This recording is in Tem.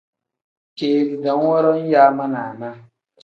Keeri dam woro nyaa ma naana.